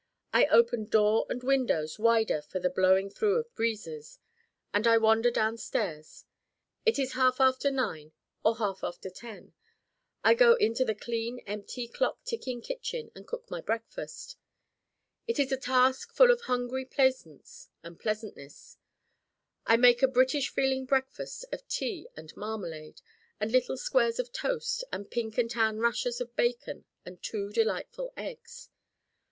I open door and windows wider for the blowing through of breezes. And I wander down stairs. It is half after nine or half after ten. I go into the clean empty clock ticking kitchen and cook my breakfast. It is a task full of hungry plaisance and pleasantness. I make a British feeling breakfast of tea and marmalade and little squares of toast and pink and tan rashers of bacon and two delightful eggs.